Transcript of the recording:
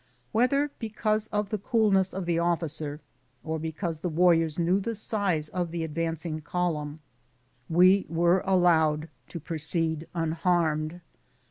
Whether because of the cool ness of the officer, or because the warriors knew of the size of the advancing column, we were allowed to pro ceed unharmed.